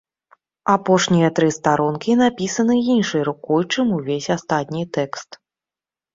Апошнія тры старонкі напісаны іншай рукой, чым увесь астатні тэкст.